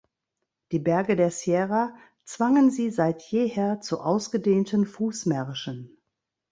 Die Berge der Sierra zwangen sie seit jeher zu ausgedehnten Fußmärschen.